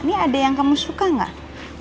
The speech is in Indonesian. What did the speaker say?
ini ada yang kamu suka nggak